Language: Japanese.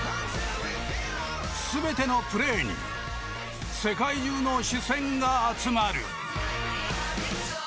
全てのプレーに世界中の視線が集まる。